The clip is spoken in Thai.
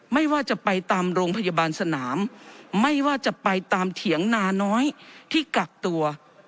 ไม่ว่าจะไปตามโรงพยาบาลสนามไม่ว่าจะไปตามเถียงนาน้อยที่กักตัว